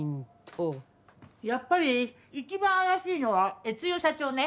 やっぱり一番怪しいのは悦代社長ね。